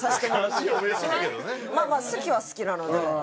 まあまあ好きは好きなので。